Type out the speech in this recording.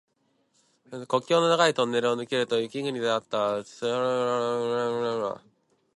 国境の長いトンネルを抜けると雪国であった。夜の底が白くなった。信号所にきしゃが止まった。